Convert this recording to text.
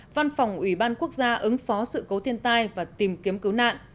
văn phòng ủy ban quốc gia ứng phó sự cố thiên tai và tìm kiếm cứu nạn